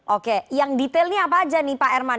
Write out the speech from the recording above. oke yang detailnya apa aja nih pak herman